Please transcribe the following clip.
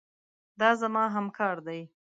دا زما همکار دی.